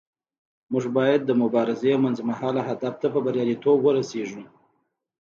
موږ باید د مبارزې منځمهاله هدف ته په بریالیتوب ورسیږو.